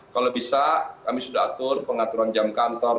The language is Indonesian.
kalau bisa kami sudah atur pengaturan jam kantor